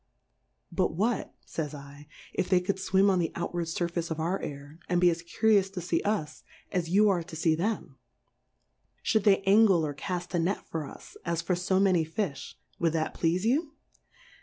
But what, fays /, if they cou'd Iwim on the out ward Surface of our Air, and be as cu rious to fee us, as you are to fee them ; fhould they Angle or caft a Net for us, as for fo many Fifh, would that pleafe you